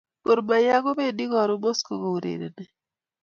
Gor mahia kopendi karun mosco ko urererni